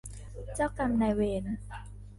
เจ้ากรรมนายเวร